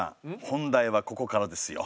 本題はここからですよ。